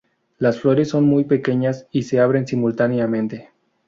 Las flores son muy pequeñas y se abren simultáneamente.